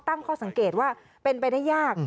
ก็ตั้งข้อสังเกตว่าเป็นบริญญาณ